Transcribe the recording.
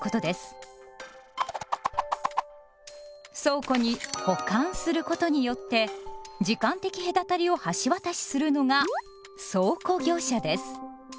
倉庫に「保管」することによって時間的隔たりを橋渡しするのが倉庫業者です。